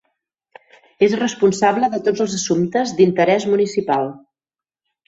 És responsable de tots els assumptes d'interès municipal.